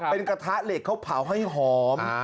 เป็นกระทะเหล็กเขาเผาให้หอม